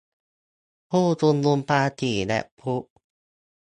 ผู้ชุมนุมปาสีและพลุ